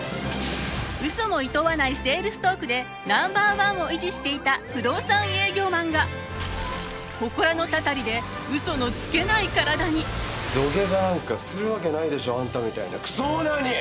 嘘もいとわないセールストークでナンバーワンを維持していた不動産営業マンが土下座なんかするわけないでしょあんたみたいなクソオーナーに！